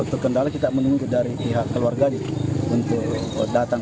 terkendala kita menunggu dari pihak keluarga untuk datang